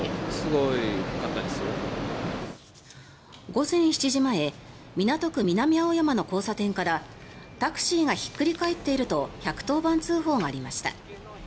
午前７時前港区南青山の交差点からタクシーがひっくり返っていると１１０番通報がありました。